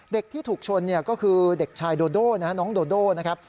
เด็กที่ถูกชนก็คือเด็กชายโดโดนะฮะน้องโดโดนะครับ